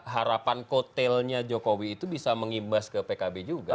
harapan kotelnya jokowi itu bisa mengimbas ke pkb juga